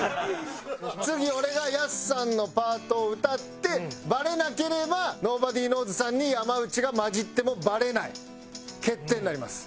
次俺がヤスさんのパートを歌ってバレなければｎｏｂｏｄｙｋｎｏｗｓ＋さんに山内が交じってもバレない決定になります。